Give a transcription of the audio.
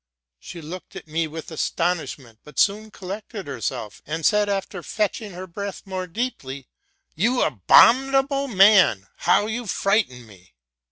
'? She looked at me with astonishment, but soon collected herself, and said, after fetching her breath more deeply, '* You abominable man, how you frighten me